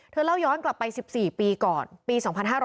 เล่าย้อนกลับไป๑๔ปีก่อนปี๒๕๕๙